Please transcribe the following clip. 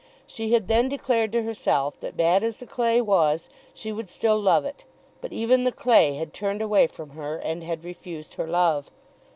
She had then declared to herself that bad as the clay was she would still love it; but even the clay had turned away from her and had refused her love!